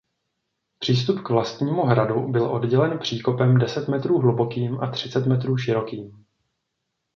Přístup k vlastnímu hradu byl oddělen příkopem deset metrů hlubokým a třicet metrů širokým.